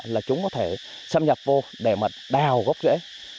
là chúng có thể xâm nhập vô để mà đào gốc rễ